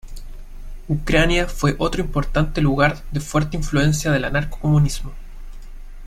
Ucrania fue otro importante lugar de fuerte influencia del anarcocomunismo.